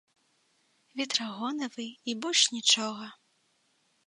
Ветрагоны вы, і больш нічога.